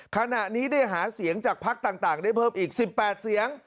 ขณะนี้ได้หาเสียงจากพักต่างได้เพิ่มอีก๑๘เสียง